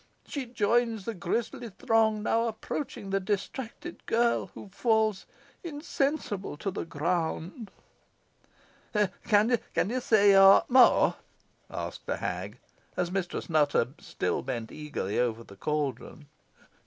She joins the grisly throng now approaching the distracted girl, who falls insensible to the ground." "Can you see aught more?" asked the hag, as Mistress Nutter still bent eagerly over the caldron.